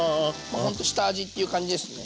ほんと下味っていう感じですね。